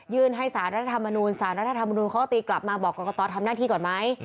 ให้สารรัฐธรรมนูลสารรัฐธรรมนูลเขาก็ตีกลับมาบอกกรกตทำหน้าที่ก่อนไหม